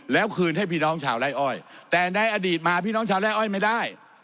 แล้วคืนให้พี่น้องชาวไล่อ้อยแต่ในอดีตมาพี่น้องชาวไร่อ้อยไม่ได้